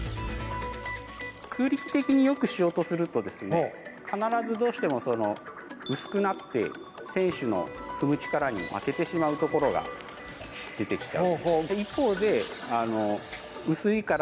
空力的に浴しようとすると必ず薄くなってどうしても、選手の踏む力に負けてしまうところが出てきちゃう。